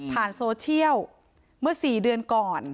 โซเชียลเมื่อ๔เดือนก่อน